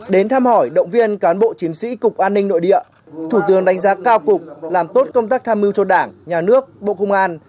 đến thăm hỏi động viên cán bộ chiến sĩ cục an ninh nội địa thủ tướng đánh giá cao cục làm tốt công tác tham mưu cho đảng nhà nước bộ công an